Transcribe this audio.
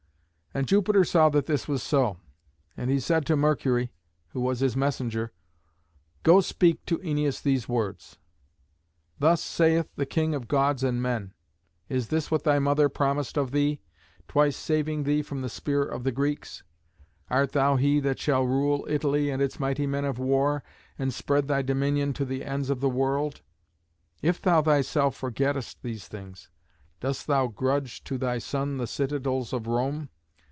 And Jupiter saw that this was so, and he said to Mercury, who was his messenger, "Go speak to Æneas these words: 'Thus saith the King of Gods and men. Is this what thy mother promised of thee, twice saving thee from the spear of the Greeks? Art thou he that shall rule Italy and its mighty men of war, and spread thy dominion to the ends of the world? If thou thyself forgettest these things, dost thou grudge to thy son the citadels of Rome?